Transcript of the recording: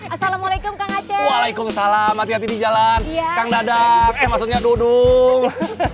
assalamualaikum kang aceh waalaikumsalam hati hati di jalan kang dadang eh maksudnya dudung